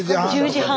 １０時半。